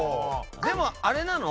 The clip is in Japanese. でもあれなの？